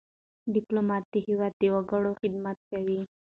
ډيپلومات د هېواد د وګړو خدمت کوي.